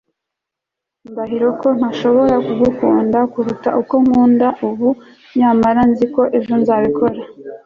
ndahiro ko ntashobora kugukunda kuruta uko nkunda ubu, nyamara nzi ko ejo nzabikora